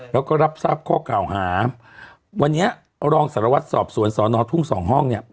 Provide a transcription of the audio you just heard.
แล้วก็รับทราบข้อกล่าวหาวันนี้รองสารวัตรสอบสวนสอนอทุ่งสองห้องเนี่ย